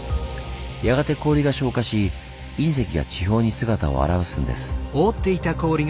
やがて氷が昇華し隕石が地表に姿を現すんです。